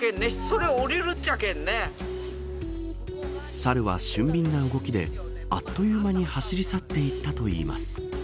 猿は俊敏な動きであっという間に走り去っていったといいます。